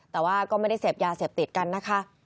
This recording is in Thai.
แต่ว่าก็ไม่ได้เสพยาเสพติดกันนะคะ